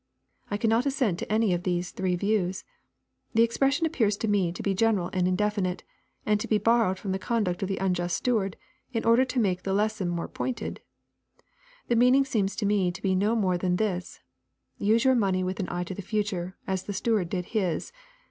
I cannot assent to any of these three views. The expression appears to me to be general and indefinite, and to be borrowed from the conduct of the unjust steward, in order to make the les son more pointed. The meaning seems to me to be no more than this, " Use your money with an eye to the future, as the steward did his.